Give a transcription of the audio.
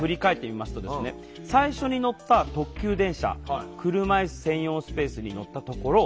最初に乗った特急電車車いす専用スペースに乗ったところ